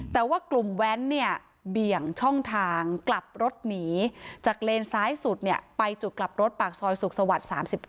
แต่ว่ากลุ่มแว้นเนี่ยเบี่ยงช่องทางกลับรถหนีจากเลนซ้ายสุดไปจุดกลับรถปากซอยสุขสวรรค์๓๙